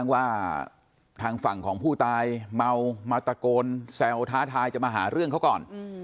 ว่าทางฝั่งของผู้ตายเมามาตะโกนแซวท้าทายจะมาหาเรื่องเขาก่อน